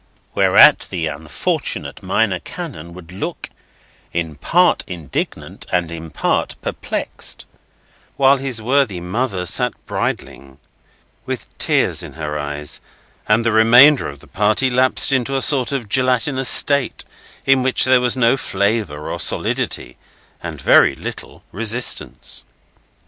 Whereat the unfortunate Minor Canon would look, in part indignant and in part perplexed; while his worthy mother sat bridling, with tears in her eyes, and the remainder of the party lapsed into a sort of gelatinous state, in which there was no flavour or solidity, and very little resistance.